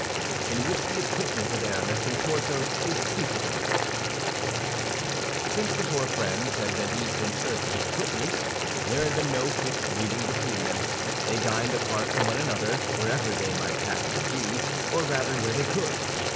IN WHICH THE EQUIPMENT OF ARAMIS AND PORTHOS IS TREATED OF Since the four friends had been each in search of his equipments, there had been no fixed meeting between them. They dined apart from one another, wherever they might happen to be, or rather where they could.